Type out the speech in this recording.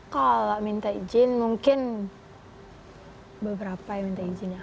kalau minta izin mungkin beberapa yang minta izin ya